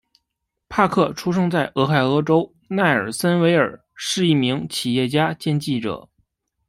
帕克出生在俄亥俄州奈尔森维尔是一名企业家兼记者。